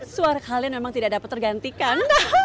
suara kalian memang tidak dapat tergantikan